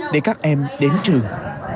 để các em đến trường